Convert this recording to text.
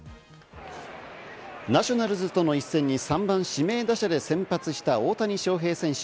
ナショナルズとの一戦に３番・指名打者で先発した大谷翔平選手。